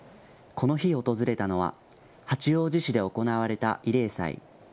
この日、訪れたのは八王子市で行われた慰霊祭。